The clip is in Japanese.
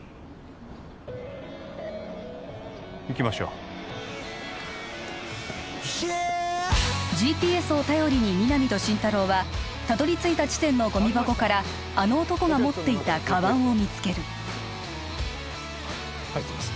行きましょうＧＰＳを頼りに皆実と心太朗はたどり着いた地点のゴミ箱からあの男が持っていたカバンを見つける入ってます